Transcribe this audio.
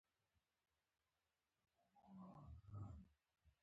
د کونړ په ناړۍ کې د کرومایټ نښې شته.